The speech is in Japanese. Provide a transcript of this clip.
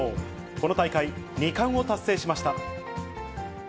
この大会２冠を達成しました。